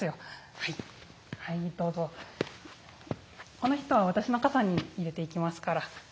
この人は私の傘に入れていきますから」。